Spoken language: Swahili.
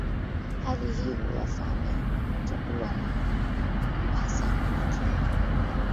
Hali hii huwafanya kutokuwa na uhasama na kima